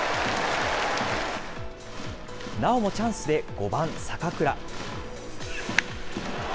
なおもチャンスで、５番坂倉。